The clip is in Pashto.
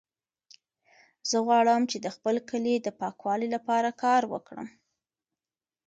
زه غواړم چې د خپل کلي د پاکوالي لپاره کار وکړم.